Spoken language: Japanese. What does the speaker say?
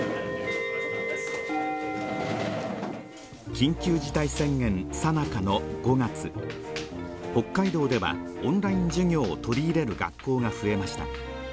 緊急事態宣言さなかの５月北海道ではオンライン授業を取り入れる学校が増えました